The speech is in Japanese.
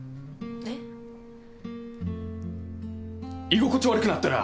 えっ？